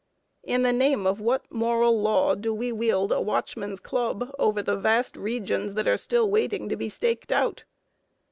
In the name of what moral law do we wield a watchman's club over the vast regions that are still waiting to be staked out?